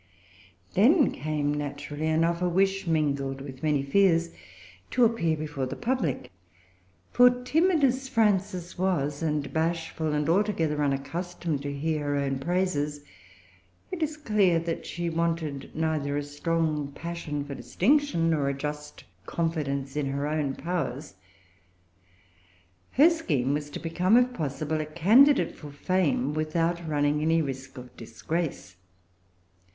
Then came, naturally enough, a wish, mingled with many fears, to appear before the public; for, timid as Frances was, and bashful, and altogether unaccustomed to hear her own praises, it is clear that she wanted neither[Pg 348] a strong passion for distinction, nor a just confidence in her own powers. Her scheme was to become, if possible, a candidate for fame without running any risk of disgrace.